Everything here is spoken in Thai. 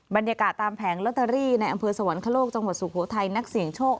บรรยากาศตามแผงลอตเตอรี่ในอำเภอสวรรคโลกจังหวัดสุโขทัยนักเสี่ยงโชค